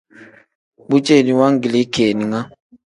Bu ceeni wangilii keninga.